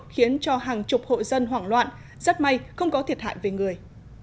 khiến cho hàng chục hội dân hoảng loạn rất may không có thiệt hại về người